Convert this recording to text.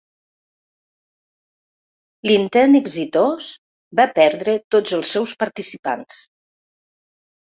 L'intent exitós va perdre tots els seus participants.